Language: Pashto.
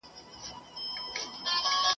زما له تندي زما له قسمته به خزان وي تللی ..